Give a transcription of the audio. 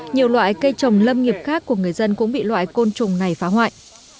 nhiều loại cây trồng lâm nghiệp khác của người dân cũng bị loại côn trùng này phá hoại